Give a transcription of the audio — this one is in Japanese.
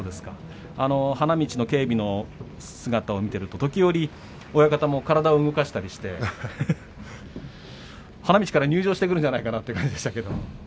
花道の警備の姿を見ていると時折親方も体を動かしたりして花道から入場してくるんじゃないかという感じでしたけれども。